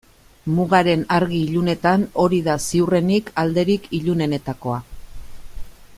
Mugaren argi-ilunetan hori da ziurrenik alderik ilunenetakoa.